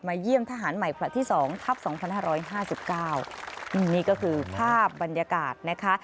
เยี่ยมทหารใหม่ผลัดที่สองทัพ๒๕๕๙นี่ก็คือภาพบรรยากาศนะคะ